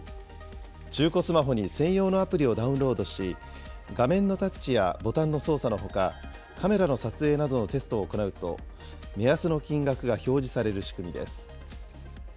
中古スマホに専用のアプリをダウンロードし、画面のタッチやボタンの操作のほか、カメラの撮影などのテストを行うと、目安の金額が表示される仕組みです。